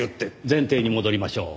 前提に戻りましょう。